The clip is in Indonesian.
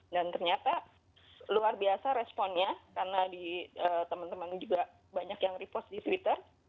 dan ternyata luar biasa responnya karena di teman teman juga banyak yang repost di twitter